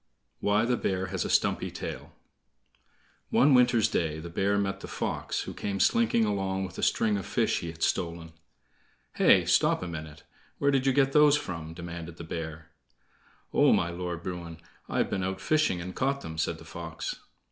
Why the Bear has a Stumpy Tail One winter's day the bear met the fox, who came slinking along with a string of fish he had stolen. "Hi! stop a minute! Where did you get those from?" demanded the bear. "Oh, my lord Bruin, I've been out fishing and caught them," said the fox.